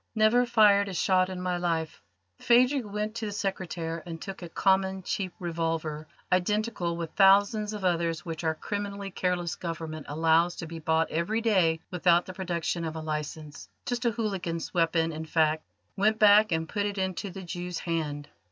"Never fired a shot in my life." Phadrig went to the secretaire and took a common, cheap revolver, identical with thousands of others which our criminally careless Government allows to be bought every day without the production of a licence just a hooligan's weapon, in fact went back and put it into the Jew's hand.